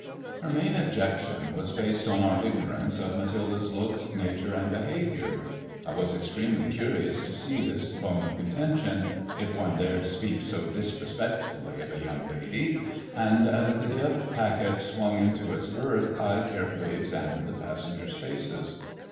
Her main objection was based on our ignorance of Mathilde's looks, nature, and behaviour. I was extremely curious to see this bone of contention — if one dared speak so disrespectfully of a yoimg lady — and as the Dieppe packet swung into its berth, I carefully examined the passengers' faces.